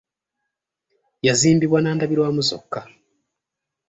Yazimbibwa na ndabirwamu zokka.